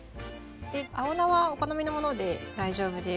で青菜はお好みのもので大丈夫です。